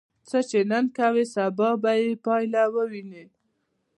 څه چې نن کوې، سبا به یې پایله ووینې.